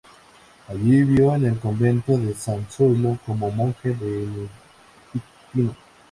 Allí, vivió en el Convento de San Zoilo, como monje benedictino.